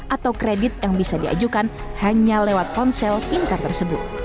atau kredit yang bisa diajukan hanya lewat ponsel pintar tersebut